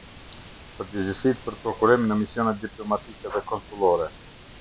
Përgjegjësitë për Prokurim në Misionet Diplomatike dhe Konsullore.